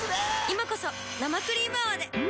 今こそ生クリーム泡で。